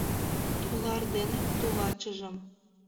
Тулар дене тулачыжым